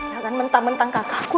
jangan mentah mentah kakakku